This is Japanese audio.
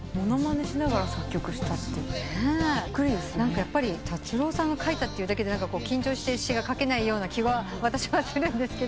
やっぱり達郎さんが書いたってだけで緊張して詞が書けないような気は私はするんですけど。